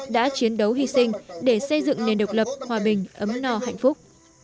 đã chiến đấu hy sinh để xây dựng nền độc lập hòa bình ấm no hạnh phúc